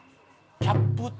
キャップと。